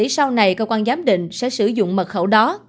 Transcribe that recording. sau này cơ quan giám định sẽ sử dụng mật khẩu đó